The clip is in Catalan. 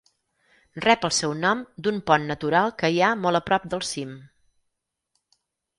Rep el seu nom d'un pont natural que hi ha molt a prop del cim.